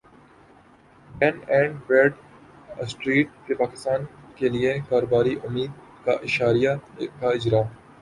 done and Bradstreet کے پاکستان کیلیے کاروباری امید کے اشاریہ کا اجرا